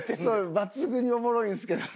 抜群におもろいんですけどね。